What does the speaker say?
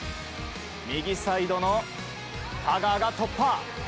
右サイドの田川が突破。